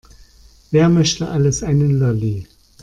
Wer möchte alles einen Lolli?